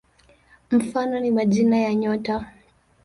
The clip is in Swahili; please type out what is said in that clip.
Mfano ni majina ya nyota.